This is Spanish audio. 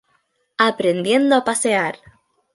Aprendiendo a pasear".